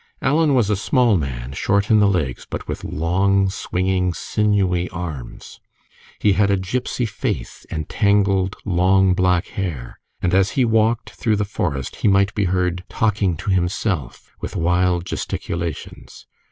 Alan was a small man, short in the legs, but with long, swinging, sinewy arms. He had a gypsy face, and tangled, long, black hair; and as he walked through the forest he might be heard talking to himself, with wild gesticulations.